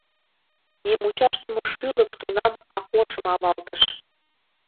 Нимучашдыме шӱлык тунам Акошым авалтыш.